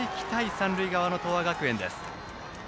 三塁側の東亜学園です。